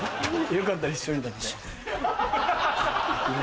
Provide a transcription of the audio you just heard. よかったら一緒にだって。